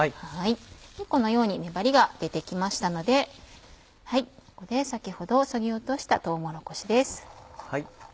このように粘りが出て来ましたのでここで先ほどそぎ落としたとうもろこしです。